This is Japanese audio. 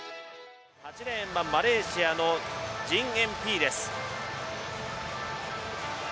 ８レーンはマレーシアのジンエン・ピーです。